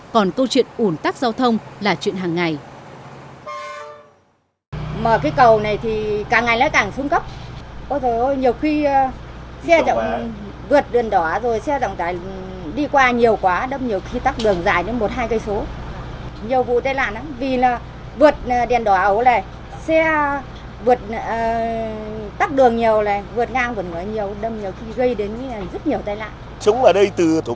còn câu chuyện ủn tắc giao thông là chuyện hàng ngày